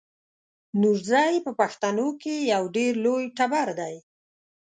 نورزی په پښتنو کې یو ډېر لوی ټبر دی.